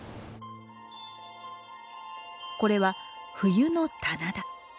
これは冬の棚田。